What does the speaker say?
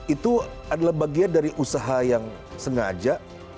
itu adalah bagian dari usaha yang sengaja